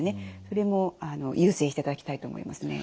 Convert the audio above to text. それも優先していただきたいと思いますね。